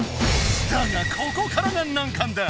だがここからが難関だ！